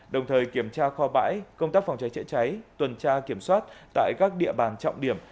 đồng thời kiểm tra kho bãi công tác phòng cháy chữa cháy tuần tra kiểm soát tại các địa bàn trọng điểm